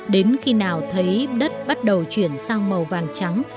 đến khi nào thấy đất bắt đầu chuyển sang màu vàng trắng